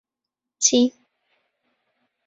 چی؟